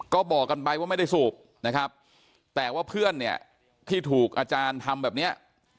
ก็บอกกันไปว่าไม่ได้สูบนะครับแต่ว่าเพื่อนเนี่ยที่ถูกอาจารย์ทำแบบเนี้ย